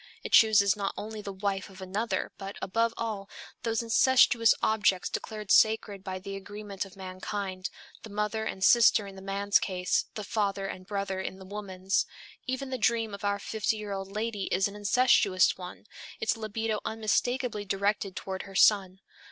It chooses not only the wife of another, but, above all, those incestuous objects declared sacred by the agreement of mankind the mother and sister in the man's case, the father and brother in the woman's. Even the dream of our fifty year old lady is an incestuous one, its libido unmistakably directed toward her son.